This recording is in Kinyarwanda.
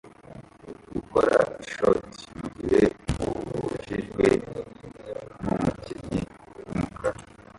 gukora ishoti mugihe abujijwe numukinnyi wumukara